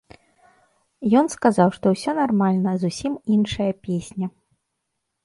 Ён сказаў, што ўсё нармальна, зусім іншая песня.